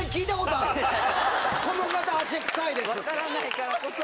分からないからこそ。